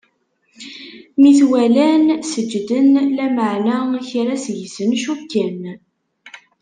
Mi t-walan, seǧǧden, lameɛna kra seg-sen cukken.